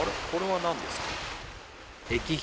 これは何ですか？